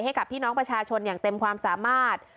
ให้กับพี่น้องประชาชนอย่างเต็มความสามารถ